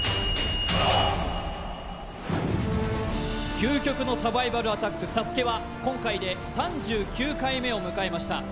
究極のサバイバルアタックＳＡＳＵＫＥは今回で３９回目を迎えました